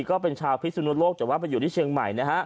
ก็เป็นชาวพิศนุโลกแต่ว่าไปอยู่ที่เชียงใหม่นะฮะ